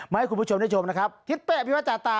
ให้คุณผู้ชมได้ชมนะครับทิศเป้พิวัจจาตา